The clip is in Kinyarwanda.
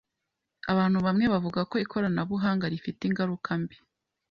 Abantu bamwe bavuga ko ikoranabuhanga rifite ingaruka mbi.